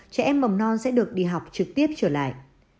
trẻ em mầm non sẽ được đi học trực tiếp trở lại